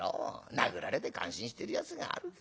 殴られて感心してるやつがあるか。